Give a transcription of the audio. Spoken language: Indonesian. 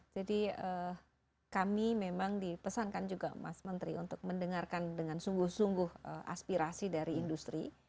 kami memang dipesankan juga mas menteri untuk mendengarkan dengan sungguh sungguh aspirasi dari industri